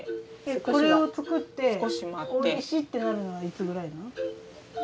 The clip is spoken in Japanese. これを作っておいしいってなるのはいつぐらいなん？